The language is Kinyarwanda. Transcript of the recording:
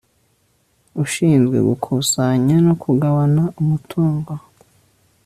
ushinzwe gukusanya no kugabana umutungo